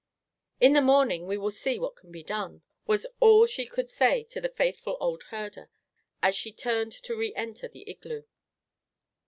"In the morning we will see what can be done," was all she could say to the faithful old herder as she turned to re enter the igloo.